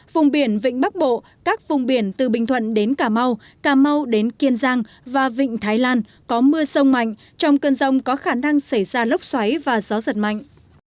vùng biển vịnh bắc bộ các vùng biển từ bình thuận đến cà mau cà mau đến kiên giang và vịnh thái lan có mưa sông mạnh trong cơn rông có khả năng xảy ra lốc xoáy và gió giật mạnh